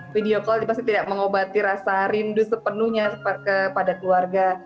video call pasti tidak mengobati rasa rindu sepenuhnya kepada keluarga